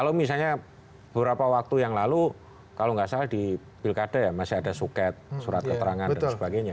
kalau misalnya beberapa waktu yang lalu kalau nggak salah di pilkada ya masih ada suket surat keterangan dan sebagainya